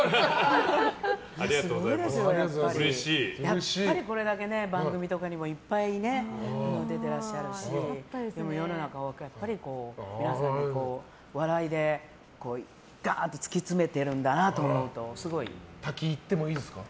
やっぱり、これだけ番組とかにもいっぱい出ていらっしゃるし皆さん笑いでがーっと突き詰めてるんだなと思うと滝行ってもいいですか？